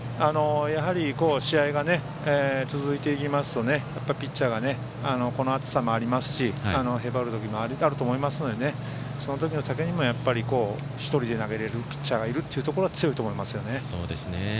試合が続いていきますとピッチャーが、この暑さもあってへばる時もあると思いますのでその時のためにも１人で投げれるピッチャーがいるのは強いと思いますよね。